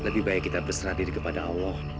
lebih baik kita berserah diri kepada allah